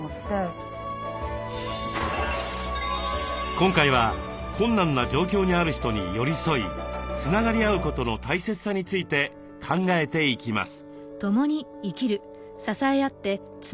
今回は困難な状況にある人に寄り添いつながり合うことの大切さについて考えていきます。